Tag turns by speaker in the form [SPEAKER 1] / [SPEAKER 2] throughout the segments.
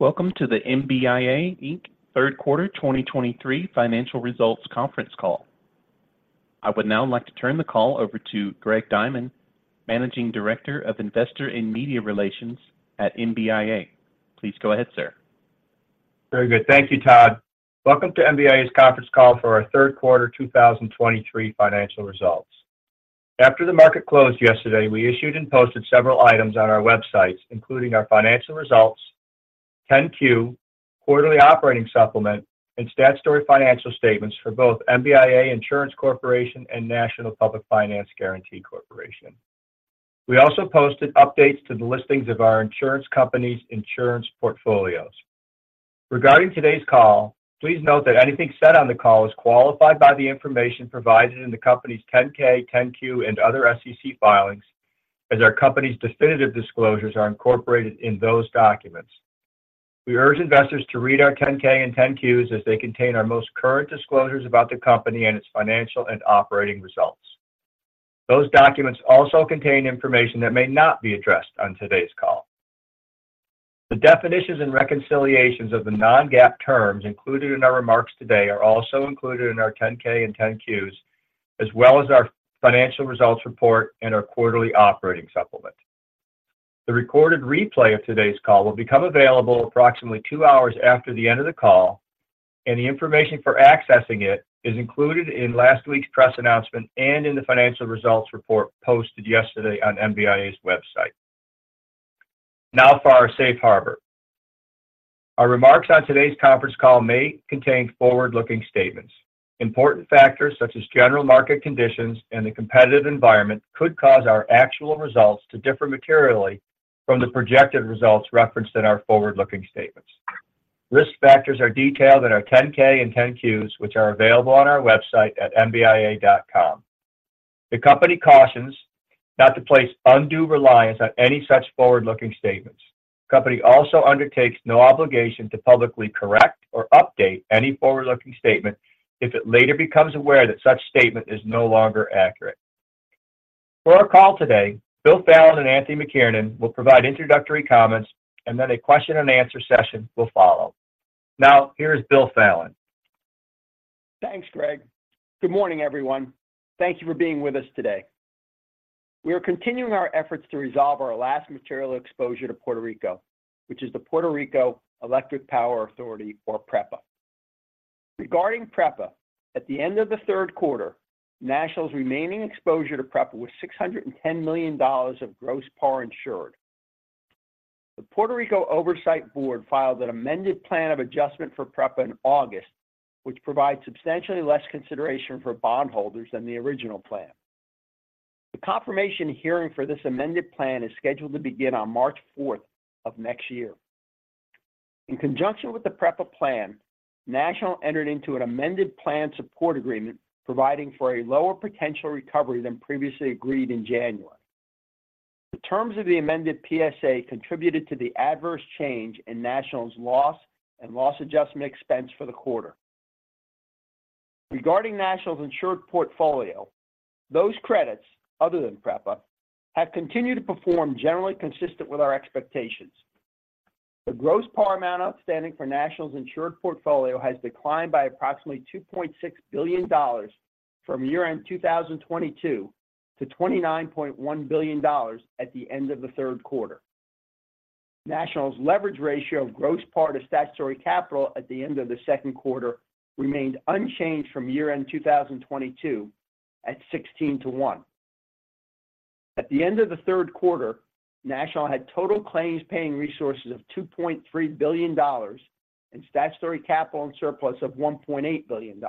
[SPEAKER 1] Welcome to the MBIA Inc Third Quarter 2023 Financial Results Conference Call. I would now like to turn the call over to Greg Diamond, Managing Director of Investor and Media Relations at MBIA. Please go ahead, sir.
[SPEAKER 2] Very good. Thank you, Todd. Welcome to MBIA's conference call for our Third Quarter 2023 Financial Results. After the market closed yesterday, we issued and posted several items on our websites, including our financial results, 10-Q, quarterly operating supplement, and statutory financial statements for both MBIA Insurance Corporation and National Public Finance Guarantee Corporation. We also posted updates to the listings of our insurance company's insurance portfolios. Regarding today's call, please note that anything said on the call is qualified by the information provided in the company's 10-K, 10-Q, and other SEC filings, as our company's definitive disclosures are incorporated in those documents. We urge investors to read our 10-K and 10-Qs as they contain our most current disclosures about the company and its financial and operating results. Those documents also contain information that may not be addressed on today's call. The definitions and reconciliations of the non-GAAP terms included in our remarks today are also included in our 10-K and 10-Qs, as well as our financial results report and our quarterly operating supplement. The recorded replay of today's call will become available approximately two hours after the end of the call, and the information for accessing it is included in last week's press announcement and in the financial results report posted yesterday on MBIA's website. Now for our Safe Harbor. Our remarks on today's conference call may contain forward-looking statements. Important factors such as general market conditions and the competitive environment could cause our actual results to differ materially from the projected results referenced in our forward-looking statements. Risk factors are detailed in our 10-K and 10-Qs, which are available on our website at mbia.com. The company cautions not to place undue reliance on any such forward-looking statements. The company also undertakes no obligation to publicly correct or update any forward-looking statement if it later becomes aware that such statement is no longer accurate. For our call today, Bill Fallon and Anthony McKiernan will provide introductory comments, and then a question and answer session will follow. Now, here's Bill Fallon.
[SPEAKER 3] Thanks, Greg. Good morning, everyone. Thank you for being with us today. We are continuing our efforts to resolve our last material exposure to Puerto Rico, which is the Puerto Rico Electric Power Authority, or PREPA. Regarding PREPA, at the end of the third quarter, National's remaining exposure to PREPA was $610 million of gross par insured. The Puerto Rico Oversight Board filed an amended Plan of Adjustment for PREPA in August, which provides substantially less consideration for bondholders than the original plan. The confirmation hearing for this amended plan is scheduled to begin on March 4th of next year. In conjunction with the PREPA plan, National entered into an amended Plan Support Agreement providing for a lower potential recovery than previously agreed in January. The terms of the amended PSA contributed to the adverse change in National's loss and loss adjustment expense for the quarter. Regarding National's insured portfolio, those credits, other than PREPA, have continued to perform generally consistent with our expectations. The gross par amount outstanding for National's insured portfolio has declined by approximately $2.6 billion from year-end 2022 to $29.1 billion at the end of the third quarter. National's leverage ratio of gross par to statutory capital at the end of the second quarter remained unchanged from year-end 2022, at 16-to-1. At the end of the third quarter, National had total claims-paying resources of $2.3 billion and statutory capital and surplus of $1.8 billion.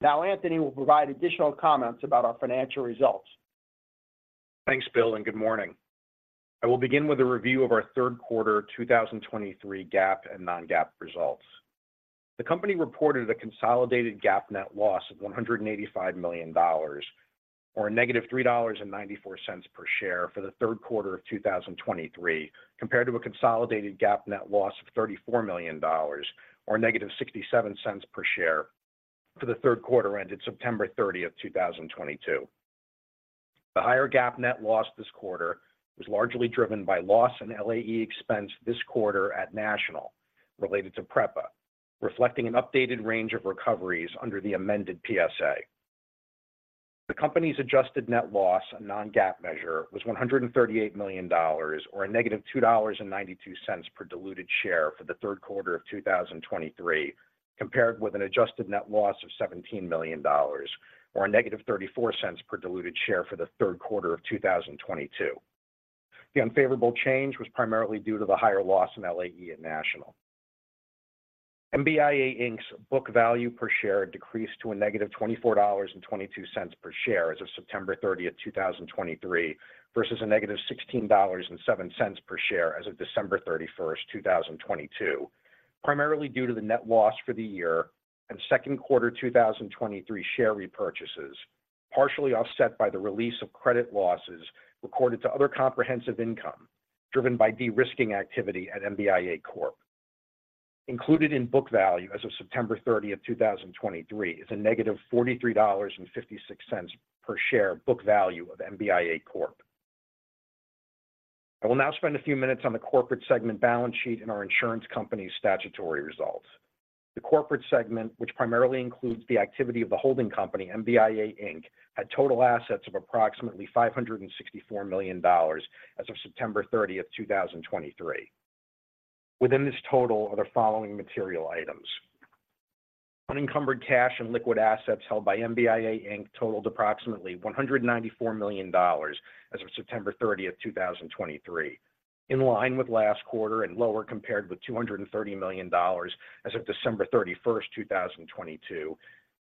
[SPEAKER 3] Now, Anthony will provide additional comments about our financial results.
[SPEAKER 4] Thanks, Bill, and good morning. I will begin with a review of our third quarter 2023 GAAP and Non-GAAP results. The company reported a consolidated GAAP net loss of $185 million, or a negative $3.94 per share for the third quarter of 2023, compared to a consolidated GAAP net loss of $34 million or negative $0.67 per share for the third quarter ended September 30 of 2022. The higher GAAP net loss this quarter was largely driven by Loss and LAE expense this quarter at National, related to PREPA, reflecting an updated range of recoveries under the amended PSA. The company's adjusted net loss, a Non-GAAP measure, was $138 million, or -$2.92 per diluted share for the third quarter of 2023, compared with an adjusted net loss of $17 million or -$0.34 per diluted share for the third quarter of 2022. The unfavorable change was primarily due to the higher Loss and LAE at National. MBIA Inc's book value per share decreased to -$24.22 per share as of September 30, 2023, versus -$16.07 per share as of December 31st, 2022, primarily due to the net loss for the year and second quarter 2023 share repurchases, partially offset by the release of credit losses recorded to other comprehensive income, driven by de-risking activity at MBIA Corp Included in book value as of September 30th, 2023, is a -$43.56 per share book value of MBIA Corp I will now spend a few minutes on the corporate segment balance sheet and our insurance company's statutory results. The corporate segment, which primarily includes the activity of the holding company, MBIA Inc, had total assets of approximately $564 million as of September 30, 2023. Within this total are the following material items: Unencumbered cash and liquid assets held by MBIA Inc totaled approximately $194 million as of September 30, 2023, in line with last quarter and lower compared with $230 million as of December 31, 2022,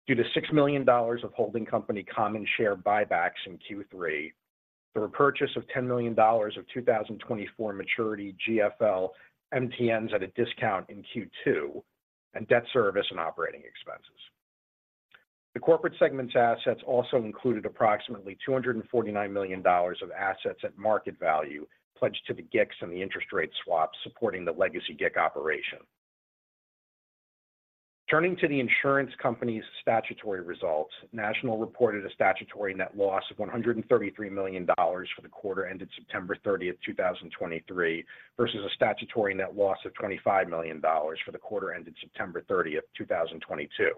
[SPEAKER 4] due to $6 million of holding company common share buybacks in Q3, the repurchase of $10 million of 2024 maturity GFL MTNs at a discount in Q2, and debt service and operating expenses. The corporate segment's assets also included approximately $249 million of assets at market value, pledged to the GICs and the interest rate swap supporting the legacy GIC operation. Turning to the insurance company's statutory results, National reported a statutory net loss of $133 million for the quarter ended September 30th, 2023, versus a statutory net loss of $25 million for the quarter ended September 30th, 2022.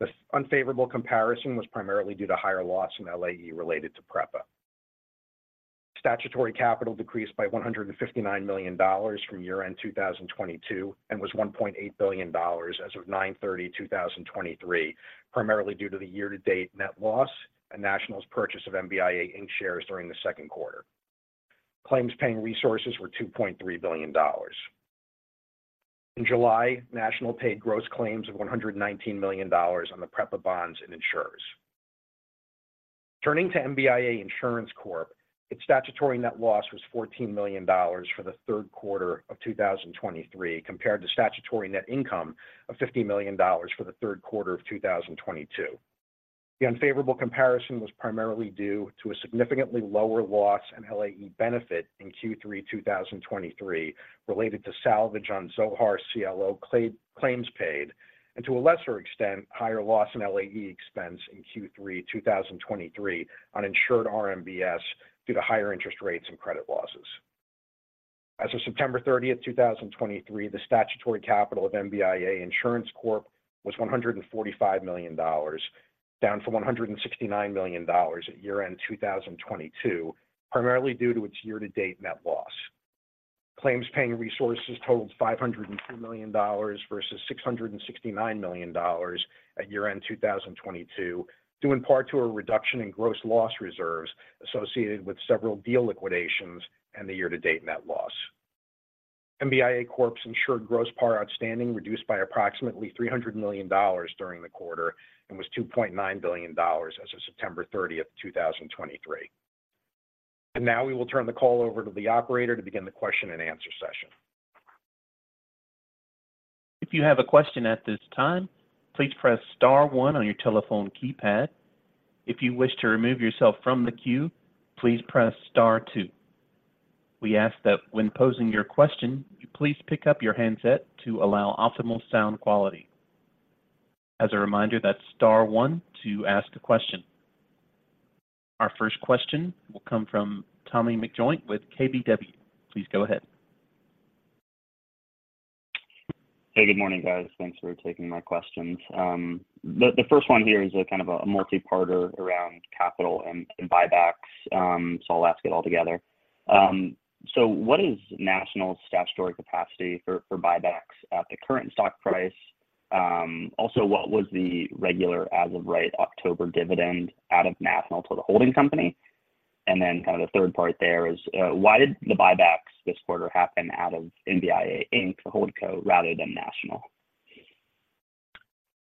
[SPEAKER 4] This unfavorable comparison was primarily due to higher Loss and LAE related to PREPA. Statutory capital decreased by $159 million from year-end 2022, and was $1.8 billion as of September 30th, 2023, primarily due to the year-to-date net loss and National's purchase of MBIA Inc shares during the second quarter. Claims-paying resources were $2.3 billion. In July, National paid gross claims of $119 million on the PREPA bonds and insureds. Turning to MBIA Insurance Corp, its statutory net loss was $14 million for the third quarter of 2023, compared to statutory net income of $50 million for the third quarter of 2022. The unfavorable comparison was primarily due to a significantly lower Loss and LAE benefit in Q3 2023, related to salvage on Zohar CLO claims paid, and to a lesser extent, higher Loss and LAE expense in Q3 2023 on insured RMBS due to higher interest rates and credit losses. As of September 30th, 2023, the statutory capital of MBIA Insurance Corp was $145 million, down from $169 million at year-end 2022, primarily due to its year-to-date net loss. Claims-paying resources totaled $502 million versus $669 million at year-end 2022, due in part to a reduction in gross loss reserves associated with several deal liquidations and the year-to-date net loss. MBIA Corp's insured gross par outstanding reduced by approximately $300 million during the quarter and was $2.9 billion as of September 30th, 2023. Now we will turn the call over to the operator to begin the question and answer session.
[SPEAKER 1] If you have a question at this time, please press star one on your telephone keypad. If you wish to remove yourself from the queue, please press star two. We ask that when posing your question, you please pick up your handset to allow optimal sound quality. As a reminder, that's star one to ask a question. Our first question will come from Tommy McJoynt with KBW. Please go ahead.
[SPEAKER 5] Hey, good morning, guys. Thanks for taking my questions. The first one here is a kind of a multi-parter around capital and buybacks, so I'll ask it all together. So what is National's statutory capacity for buybacks at the current stock price? Also, what was the regular as-of-right October dividend out of National to the holding company? And then kind of the third part there is, why did the buybacks this quarter happen out of MBIA Inc, the holdco, rather than National?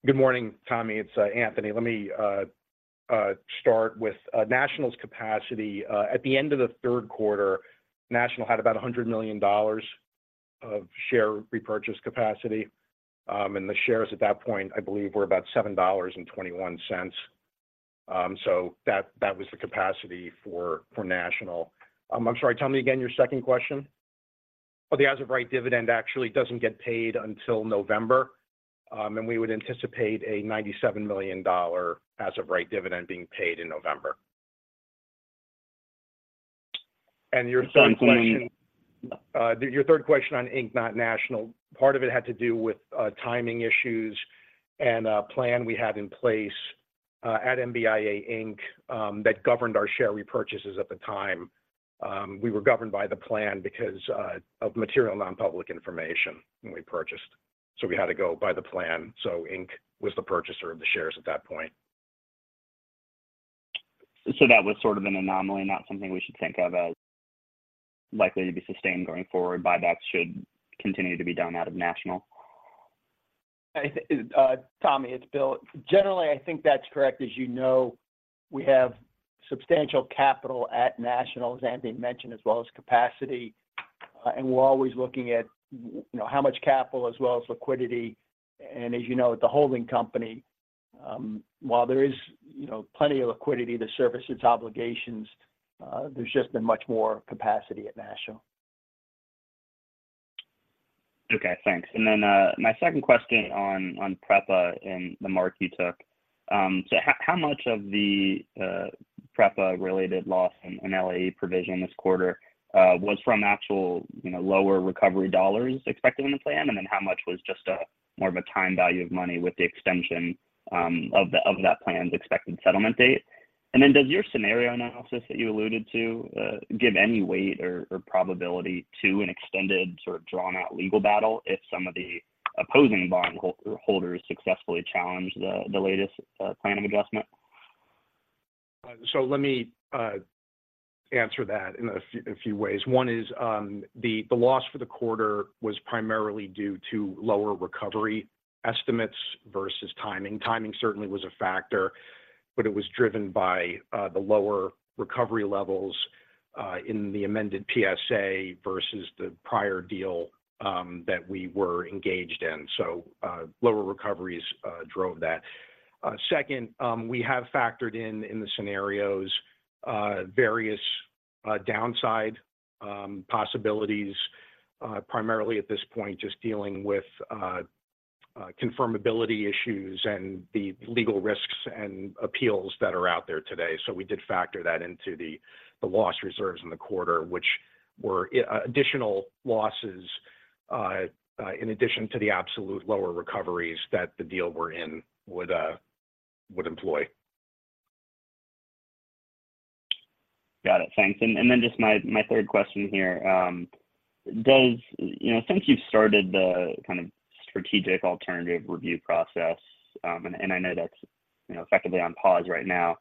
[SPEAKER 4] Good morning, Tommy. It's Anthony. Let me start with National's capacity. At the end of the third quarter, National had about $100 million of share repurchase capacity, and the shares at that point, I believe, were about $7.21. So that was the capacity for National. I'm sorry, tell me again your second question. Well, the as-of-right dividend actually doesn't get paid until November, and we would anticipate a $97 million as-of-right dividend being paid in November. And your third question- And Tommy your third question on Inc, not National, part of it had to do with timing issues and a plan we had in place at MBIA Inc that governed our share repurchases at the time. We were governed by the plan because of material non-public information when we purchased, so we had to go by the plan. So Inc was the purchaser of the shares at that point.
[SPEAKER 5] So that was sort of an anomaly, not something we should think of as likely to be sustained going forward. Buybacks should continue to be done out of National?
[SPEAKER 3] I think, Tommy, it's Bill. Generally, I think that's correct. As you know, we have substantial capital at National, as Anthony mentioned, as well as capacity. And we're always looking at you know, how much capital as well as liquidity. And as you know, the holding company while there is, you know, plenty of liquidity to service its obligations, there's just been much more capacity at National.
[SPEAKER 5] Okay, thanks. And then, my second question on, on PREPA and the mark you took. So how, how much of the, PREPA-related loss in, in LAE provision this quarter, was from actual, you know, lower recovery dollars expected in the plan? And then how much was just a more of a time value of money with the extension, of that plan's expected settlement date? And then, does your scenario analysis that you alluded to, give any weight or, or probability to an extended sort of drawn-out legal battle if some of the opposing bondholders successfully challenge the, the latest, plan of adjustment?
[SPEAKER 4] So let me answer that in a few ways. One is, the loss for the quarter was primarily due to lower recovery estimates versus timing. Timing certainly was a factor, but it was driven by the lower recovery levels in the amended PSA versus the prior deal that we were engaged in. So, lower recoveries drove that. Second, we have factored in the scenarios various downside possibilities, primarily at this point, just dealing with confirmability issues and the legal risks and appeals that are out there today. So we did factor that into the loss reserves in the quarter, which were additional losses in addition to the absolute lower recoveries that the deal we're in would employ.
[SPEAKER 5] Got it, thanks. And then just my third question here. Does—you know, since you've started the kind of strategic alternative review process, and I know that's, you know, effectively on pause right now,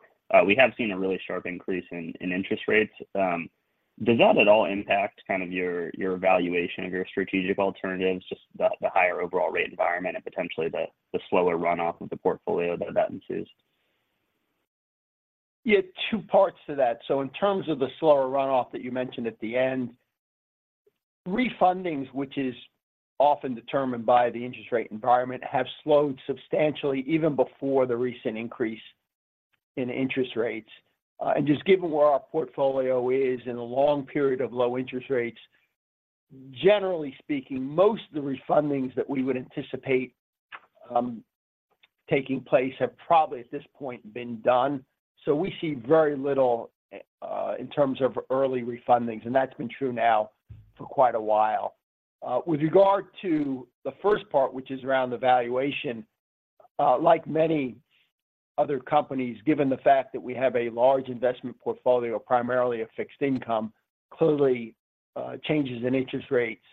[SPEAKER 5] we have seen a really sharp increase in interest rates. Does that at all impact kind of your evaluation of your strategic alternatives, just the higher overall rate environment and potentially the slower runoff of the portfolio that ensues?
[SPEAKER 3] Yeah, two parts to that. So in terms of the slower runoff that you mentioned at the end, refundings, which is often determined by the interest rate environment, have slowed substantially even before the recent increase in interest rates. And just given where our portfolio is in a long period of low interest rates, generally speaking, most of the refundings that we would anticipate taking place have probably, at this point, been done. So we see very little in terms of early refundings, and that's been true now for quite a while. With regard to the first part, which is around the valuation, like many other companies, given the fact that we have a large investment portfolio, primarily of fixed income, clearly changes in interest rates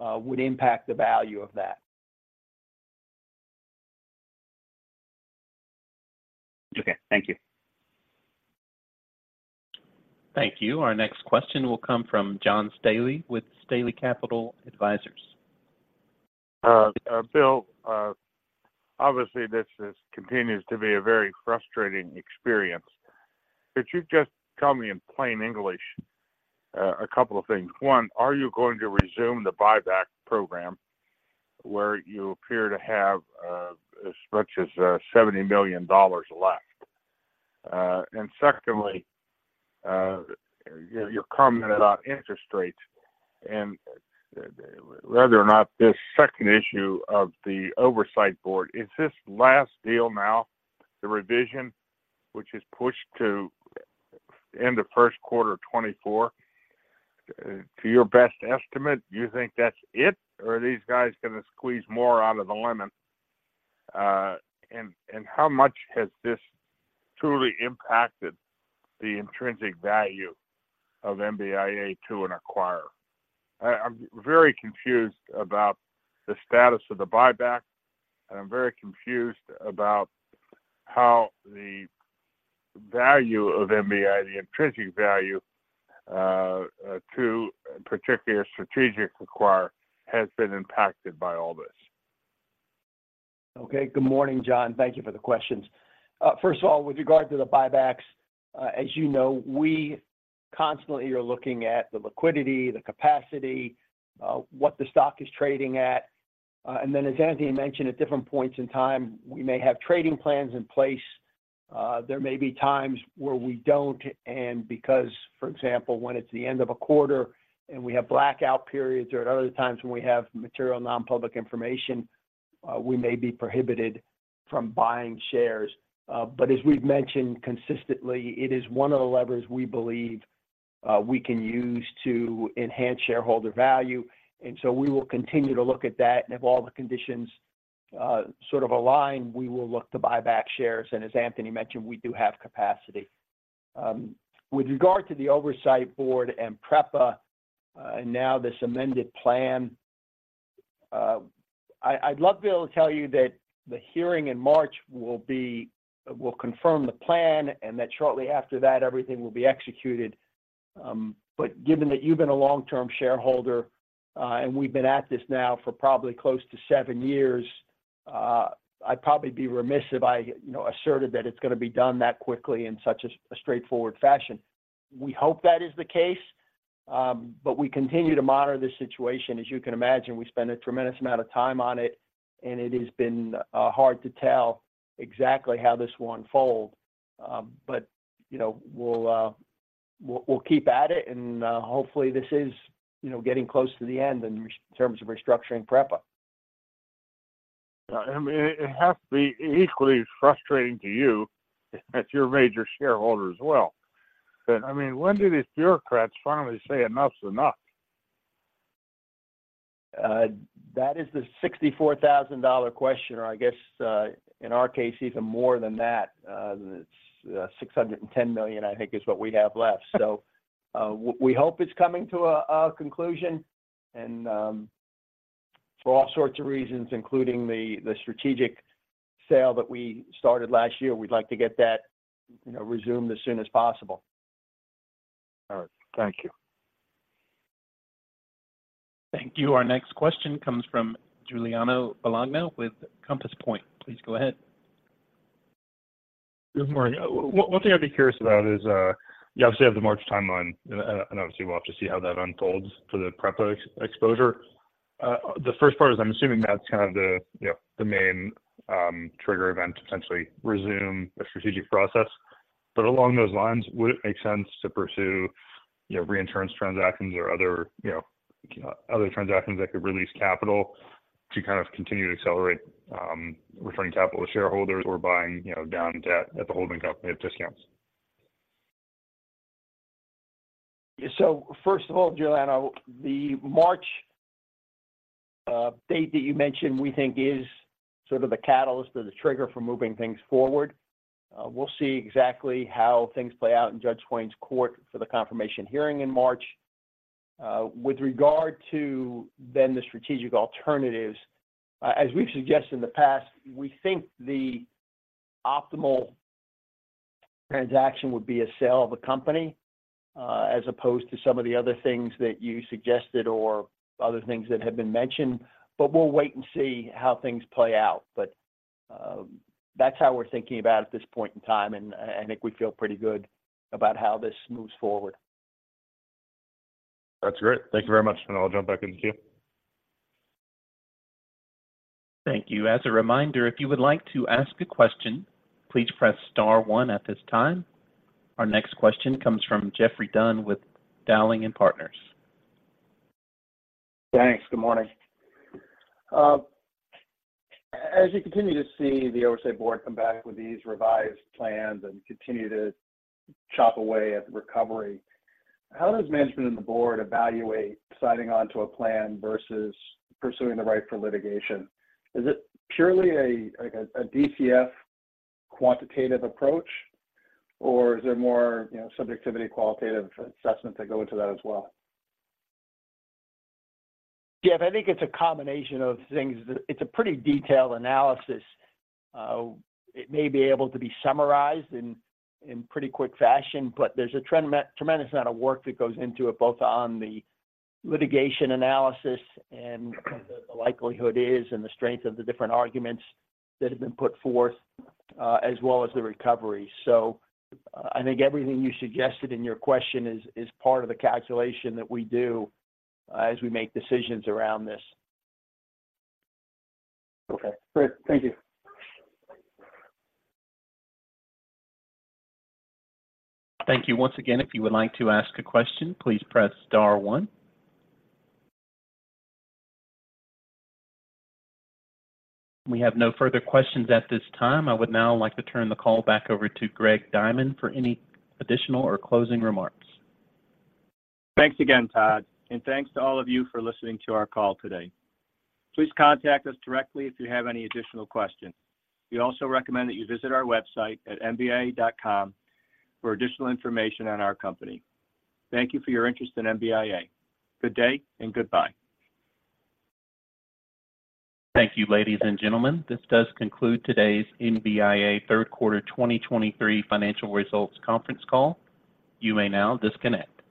[SPEAKER 3] would impact the value of that.
[SPEAKER 5] Okay, thank you.
[SPEAKER 1] Thank you. Our next question will come from John Staley with Staley Capital Advisers.
[SPEAKER 6] Bill, obviously, this is continues to be a very frustrating experience. Could you just tell me in plain English a couple of things? One, are you going to resume the buyback program, where you appear to have as much as $70 million left? And secondly, your comment about interest rates and whether or not this second issue of the Oversight Board, is this last deal now, the revision, which is pushed to end of first quarter 2024, to your best estimate, do you think that's it, or are these guys gonna squeeze more out of the lemon? And how much has this truly impacted the intrinsic value of MBIA to an acquirer? I'm very confused about the status of the buyback, and I'm very confused about how the value of MBIA, the intrinsic value, to a particular strategic acquirer, has been impacted by all this.
[SPEAKER 3] Okay. Good morning, John. Thank you for the questions. First of all, with regard to the buybacks, as you know, we constantly are looking at the liquidity, the capacity, what the stock is trading at. And then, as Anthony mentioned, at different points in time, we may have trading plans in place. There may be times where we don't, and because, for example, when it's the end of a quarter and we have blackout periods or at other times when we have material non-public information, we may be prohibited from buying shares. But as we've mentioned consistently, it is one of the levers we believe we can use to enhance shareholder value, and so we will continue to look at that. If all the conditions sort of align, we will look to buy back shares, and as Anthony mentioned, we do have capacity. With regard to the Oversight Board and PREPA, and now this amended plan, I'd love to be able to tell you that the hearing in March will confirm the plan, and that shortly after that, everything will be executed. But given that you've been a long-term shareholder, and we've been at this now for probably close to seven years, I'd probably be remiss if I you know asserted that it's gonna be done that quickly in such a straightforward fashion. We hope that is the case, but we continue to monitor this situation. As you can imagine, we spend a tremendous amount of time on it, and it has been hard to tell exactly how this will unfold. But, you know, we'll keep at it, and hopefully, this is, you know, getting close to the end in terms of restructuring PREPA.
[SPEAKER 6] I mean, it has to be equally frustrating to you as your major shareholder as well. But, I mean, when do these bureaucrats finally say enough's enough?
[SPEAKER 3] That is the $64,000 question, or I guess, in our case, even more than that. It's, six hundred and ten million, I think, is what we have left. So, we hope it's coming to a conclusion, and, for all sorts of reasons, including the strategic sale that we started last year, we'd like to get that, you know, resumed as soon as possible.
[SPEAKER 6] All right. Thank you.
[SPEAKER 1] Thank you. Our next question comes from Giuliano Bologna with Compass Point. Please go ahead.
[SPEAKER 7] Good morning. One thing I'd be curious about is, you obviously have the March timeline, and obviously, we'll have to see how that unfolds for the PREPA exposure. The first part is I'm assuming that's kind of the, you know, the main trigger event to potentially resume a strategic process. But along those lines, would it make sense to pursue, you know, reinsurance transactions or other, you know, other transactions that could release capital to kind of continue to accelerate returning capital to shareholders or buying, you know, down debt at the holding company at discounts?
[SPEAKER 3] So first of all, Giuliano, the March date that you mentioned, we think is sort of the catalyst or the trigger for moving things forward. We'll see exactly how things play out in Judge Swain's court for the confirmation hearing in March. With regard to then the strategic alternatives, as we've suggested in the past, we think the optimal transaction would be a sale of the company, as opposed to some of the other things that you suggested or other things that have been mentioned. But we'll wait and see how things play out. But that's how we're thinking about it at this point in time, and I think we feel pretty good about how this moves forward.
[SPEAKER 7] That's great. Thank you very much, and I'll jump back into queue.
[SPEAKER 1] Thank you. As a reminder, if you would like to ask a question, please press star one at this time. Our next question comes from Geoffrey Dunn with Dowling & Partners.
[SPEAKER 8] Thanks. Good morning. As you continue to see the Oversight Board come back with these revised plans and continue to chop away at the recovery, how does management and the board evaluate signing on to a plan versus pursuing the right for litigation? Is it purely a, like a DCF quantitative approach, or is there more, you know, subjectivity, qualitative assessment that go into that as well?
[SPEAKER 3] Jeff, I think it's a combination of things. It's a pretty detailed analysis. It may be able to be summarized in pretty quick fashion, but there's a tremendous amount of work that goes into it, both on the litigation analysis and what the likelihood is and the strength of the different arguments that have been put forth, as well as the recovery. So I think everything you suggested in your question is part of the calculation that we do, as we make decisions around this.
[SPEAKER 8] Okay, great. Thank you.
[SPEAKER 1] Thank you. Once again, if you would like to ask a question, please press star one. We have no further questions at this time. I would now like to turn the call back over to Greg Diamond for any additional or closing remarks.
[SPEAKER 2] Thanks again, Todd, and thanks to all of you for listening to our call today. Please contact us directly if you have any additional questions. We also recommend that you visit our website at mbia.com for additional information on our company. Thank you for your interest in MBIA. Good day and goodbye.
[SPEAKER 1] Thank you, ladies and gentlemen. This does conclude today's MBIA third quarter 2023 financial results conference call. You may now disconnect.